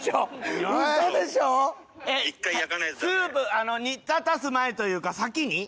スープ煮立たす前というか先に？